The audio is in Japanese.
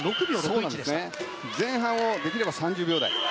前半をできれば３０秒台で。